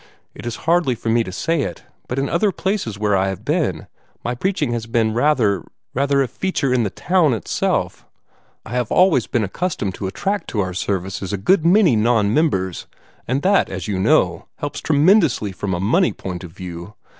It is hardly for me to say it, but in other places where I have been, my preaching has been rather rather a feature in the town itself I have always been accustomed to attract to our services a good many non members, and that, as you know, helps tremendously from a money point of view.